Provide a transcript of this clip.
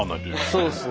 そうですね。